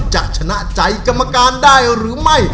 จะชนะใจกรรมการได้หรือไม่